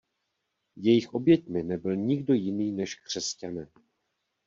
Jejich oběťmi nebyl nikdo jiný než křesťané.